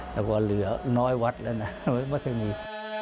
แต่ก็เหลือน้อยวัดแล้วนะไม่เคยมี